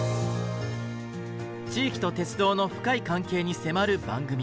地域と鉄道の深い関係に迫る番組。